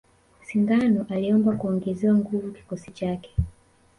Singano aliomba kungezewa nguvu kikosi chake